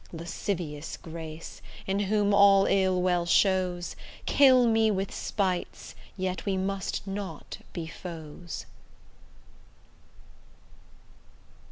Lascivious grace, in whom all ill well shows, Kill me with spites yet we must not be foes.